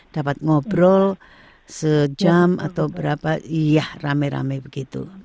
dapat ngobrol sejam atau berapa iya rame rame begitu